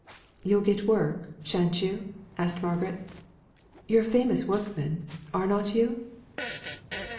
"You'll get work, shan't you?" asked Margaret. "You're a famous workman, are not you?"